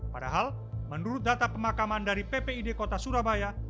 padahal menurut data pemakaman dari ppid kota surabaya